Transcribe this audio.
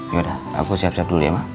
yaudah aku siap siap dulu ya emang